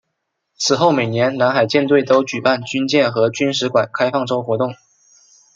此后每年南海舰队都举办军舰和军史馆开放周活动。